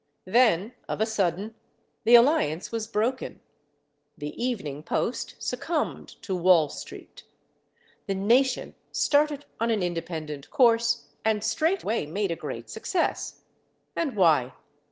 Then, of a sudden, the alliance was broken, the Evening Post succumbed to Wall Street, the Nation started on an independent course—and straightway made a great success. And why?